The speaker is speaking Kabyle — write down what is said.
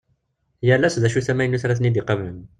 Yal ass d acu-t amaynut ara ten-id-iqablen.